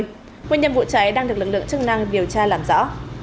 nguyên nhân vụ cháy đang được lực lượng chức năng điều tra làm rõ